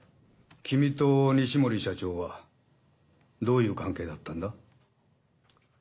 君と西森社長はどういう関係だったんだ？